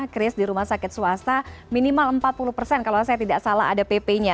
kris di rumah sakit swasta minimal empat puluh persen kalau saya tidak salah ada pp nya